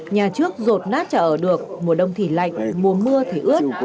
nhà trước rột nát trả ở được mùa đông thì lạnh mùa mưa thì ướt